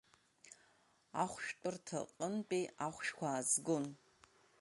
Ахәышәтәырҭа аҟынтәи ахәшәқәа аазгон…